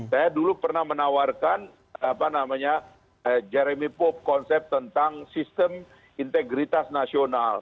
saya dulu pernah menawarkan jeremy pop konsep tentang sistem integritas nasional